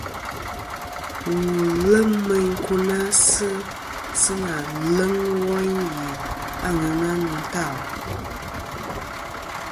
Wù lem meyn nkunasɨ sɨ na leŋ woynda ghì a aŋena ntal.